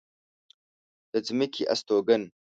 د ځمکې استوگن